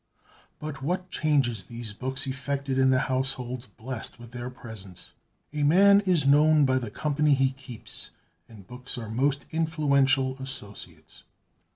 But what changes these books effected in the households blessed with their presence! "A man is known by the company he keeps;" and books are most influential associates.